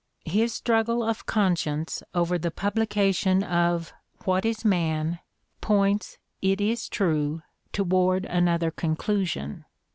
His struggle of conscience over the publication of "What Is Man?" points, it is true, toward another conclusion.